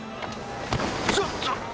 ちょっと！